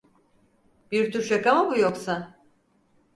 Bir tür şaka mı bu yoksa?